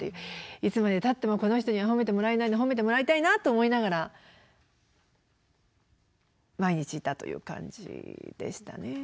いつまでたってもこの人には褒めてもらえないな褒めてもらいたいなと思いながら毎日いたという感じでしたね。